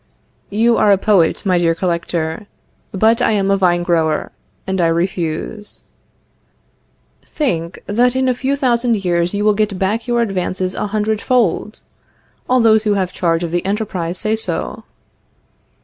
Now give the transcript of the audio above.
You are a poet, my dear Collector; but I am a vine grower, and I refuse. Think that in a few thousand years you will get back your advances a hundred fold. All those who have charge of the enterprise say so.